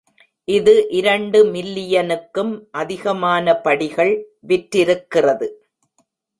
இது இரண்டு மில்லியனுக்கும் அதிகமான படிகள் விற்றிருக்கிறது.